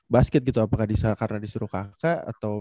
basket gitu apakah disuruh kakak gitu ya